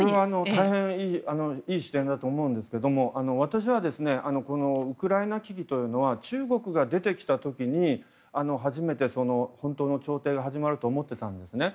大変いい視点だと思うんですが私はこのウクライナ危機というのは中国が出てきた時に初めて本当に始まると思っていたんですね。